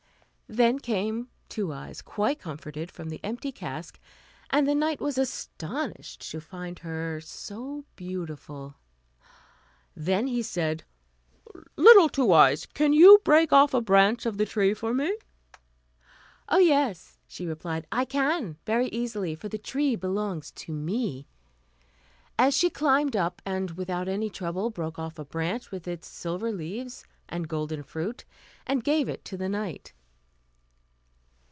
Then came Two Eyes, quite comforted, from the empty cask, and the knight was astonished to find her so beautiful. Then he said, "Little Two Eyes, can you break off a branch of the tree for me?" "Oh yes," she replied, "I can, very easily, for the tree belongs to me." And she climbed up, and, without any trouble, broke off a branch with its silver leaves and golden fruit and gave it to the knight.